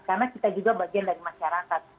karena kita juga bagian dari masyarakat